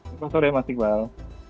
selamat sore mas iqbal